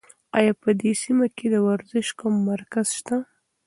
ایا په دې سیمه کې د ورزش کوم مرکز شته؟